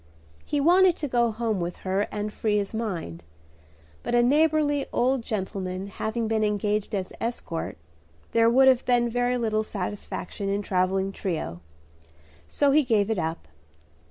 He wanted to go home with her and free his mind; but a neighborly old gentleman having been engaged as escort, there would have been very little satisfaction in a travelling trio; so he gave it up.